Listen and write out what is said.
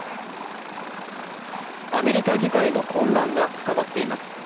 アメリカ議会の混乱が深まっています